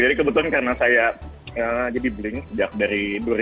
jadi kebetulan karena saya jadi blink sejak dari dua ribu enam belas